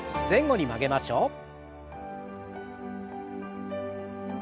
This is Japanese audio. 前後に曲げましょう。